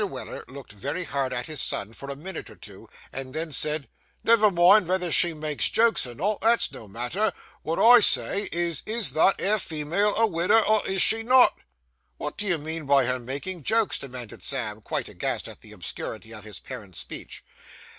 Weller looked very hard at his son for a minute or two, and then said, 'Never mind vether she makes jokes or not, that's no matter. Wot I say is, is that 'ere female a widder, or is she not?' 'Wot do you mean by her making jokes?' demanded Sam, quite aghast at the obscurity of his parent's speech.